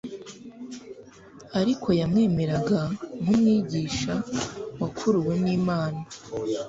ariko yamwemeraga nk'Umwigisha wakuruwe n'Imana.